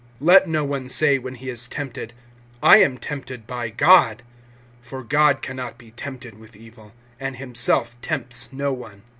(13)Let no one say when he is tempted, I am tempted by God; for God can not be tempted with evil, and himself tempts no one.